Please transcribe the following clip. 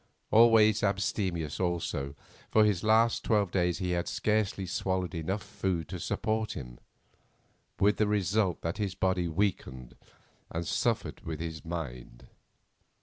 Always abstemious, also, for this last twelve days he had scarcely swallowed enough food to support him, with the result that his body weakened and suffered with his mind.